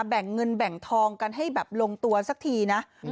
แบ่งเงินแบ่งทองกันให้แบบลงตัวสักทีนะ